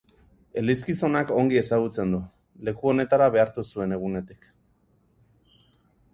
Elizgizonak ongi ezagutzen du, leku honetara behartu zuen egunetik.